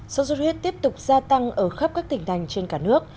sốt xuất huyết tiếp tục gia tăng ở khắp các tỉnh thành trên cả nước